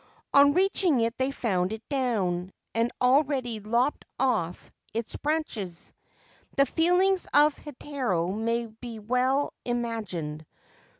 On reaching it they found it down, and already lopped of its branches. The feelings of Heitaro may be well imagined.